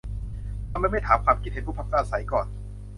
ทำไมไม่ถามความคิดเห็นผู้พักอาศัยก่อน